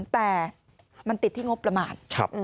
แต่มันติดที่งบประมาณ